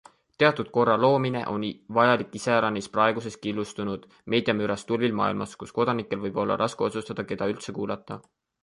Teatud korra loomine on vajalik iseäranis praeguses killustunud, meediamürast tulvil maailmas, kus kodanikel võib olla raske otsustada, keda üldse kuulata.